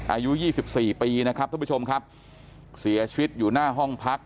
อายุยี่สิบสี่ปีนะครับท่านผู้ชมครับเสียชีวิตอยู่หน้าห้องพัก